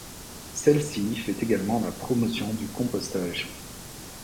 Celle-ci fait également la promotion du compostage.